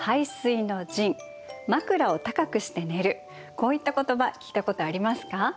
こういった言葉聞いたことありますか？